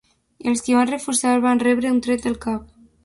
Els qui van refusar, van rebre un tret al cap.